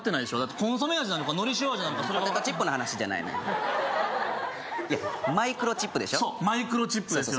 コンソメ味なのかのり塩味なのかポテトチップの話じゃないねいやマイクロチップでしょそうマイクロチップですよね